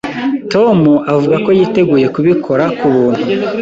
Tom avuga ko yiteguye kubikora ku buntu.